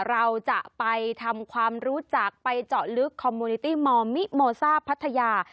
เราจะไปทำความรู้จักไปเจาะลึกคอมมูนิตี้มอร์มิโมซ่าพัทยา